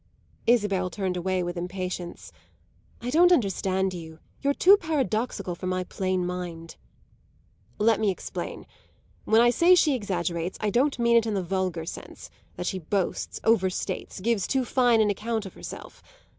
Isabel turned away with impatience. "I don't understand you; you're too paradoxical for my plain mind." "Let me explain. When I say she exaggerates I don't mean it in the vulgar sense that she boasts, overstates, gives too fine an account of herself.